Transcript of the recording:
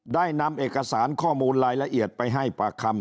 ได้นำเอกสารข้อมูลรายละเอียดไปให้ปากคำ